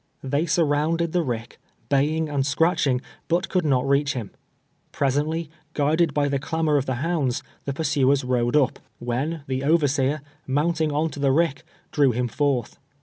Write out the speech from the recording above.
They, surrounded the rick, baying and scratch ing, l)ut could not reach him. Presently, guided by the clamor of the hounds, the pursuers rode up, when 244: TWELVE YEARS A SLAVE. tlie overseer, mounting on to the rick, drew liiin forth.